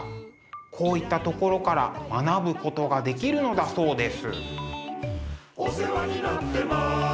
こういったところから学ぶことができるのだそうです。